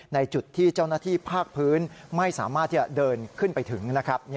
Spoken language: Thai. ในจุดที่เจ้าหน้าที่ภาคพื้นไม่สามารถที่จะเดินขึ้นไปถึงนะครับ